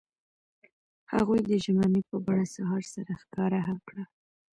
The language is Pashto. هغوی د ژمنې په بڼه سهار سره ښکاره هم کړه.